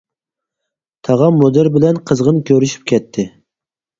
تاغام مۇدىر بىلەن قىزغىن كۆرۈشۈپ كەتتى.